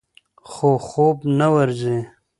خو خوب نه ورځي.